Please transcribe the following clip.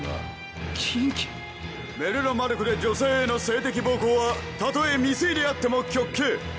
メルロマルクで女性への性的暴行はたとえ未遂であっても極刑。